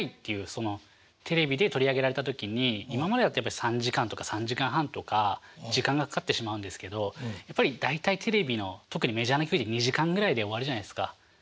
そのテレビで取り上げられた時に今までだったら３時間とか３時間半とか時間がかかってしまうんですけどやはり大体テレビの特にメジャーの競技２時間ぐらいで終わるじゃないですか。